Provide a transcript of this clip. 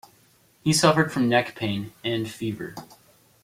He suffered from neck pain and fever.